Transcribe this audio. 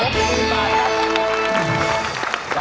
๖๐๐๐๐บาทครับ